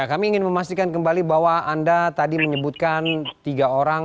kami ingin memastikan kembali bahwa anda tadi menyebutkan tiga orang